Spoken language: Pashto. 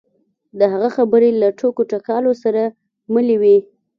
د هغه خبرې له ټوکو ټکالو سره ملې وې.